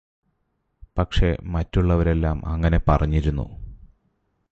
പക്ഷെ മറ്റുള്ളവരെല്ലാം അങ്ങനെ പറഞ്ഞിരുന്നു